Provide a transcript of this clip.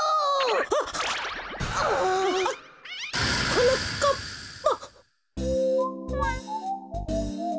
はなかっぱ。